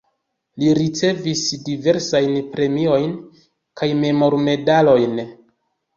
Li ricevis diversajn premiojn kaj memormedalojn.